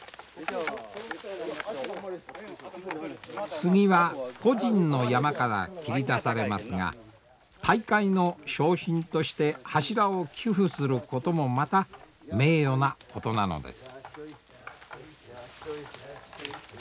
杉は個人の山から切り出されますが大会の賞品として柱を寄付することもまた名誉なことなのです。